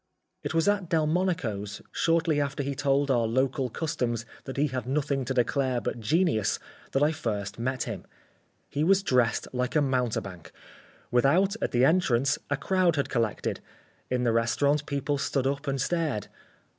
It was at Delmonico's, shortly after he told our local Customs that he had nothing to declare but genius, that I first met him. He was dressed like a mountebank. Without, at the entrance, a crowd had collected. In the restaurant people stood up and stared.